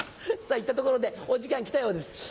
といったところでお時間来たようです。